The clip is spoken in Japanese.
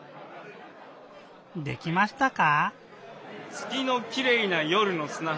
できましたか？